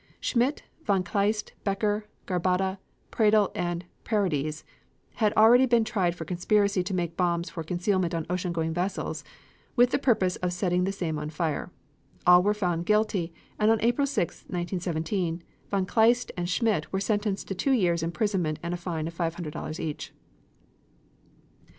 Schmidt, von Kleist, Becker, Garbade, Praedel and Paradies had already been tried for conspiracy to make bombs for concealment on ocean going vessels, with the purpose of setting the same on fire. All were found guilty, and on April 6, 1917, von Kleist and Schmidt were sentenced to two years imprisonment and a fine of $500 each.